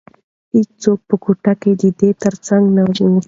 هیڅوک په کوټه کې د ده تر څنګ نه وو.